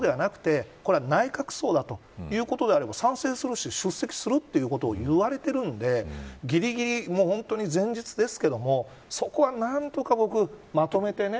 そうではなくて、これは内閣葬だということであれば賛成するし出席するということを言われているんでぎりぎり、前日ですけれどもそこは、何とか僕、まとめてね